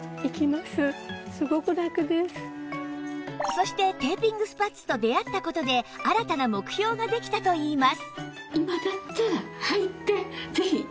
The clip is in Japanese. そしてテーピングスパッツと出会った事で新たな目標ができたといいます